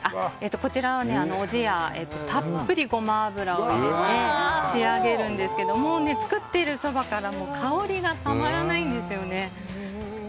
こちらは、おじやたっぷりゴマ油を入れて仕上げるんですけど作っているそばから香りがたまらないんですよね。